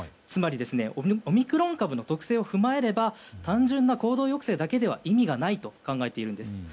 つまりオミクロン株の特性を踏まえれば単純な行動抑制だけでは意味がないと考えているんです。